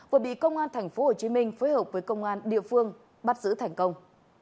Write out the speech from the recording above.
vừa bị công an tp hcm phối hợp với công an địa phương bắt giữ thành công